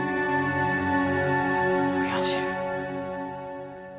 親父。